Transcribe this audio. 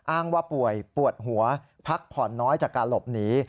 อ้างว่าป่วยปวดหัวพักผ่อนน้อยจากการหลบหนี